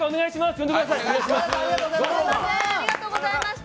呼んでください。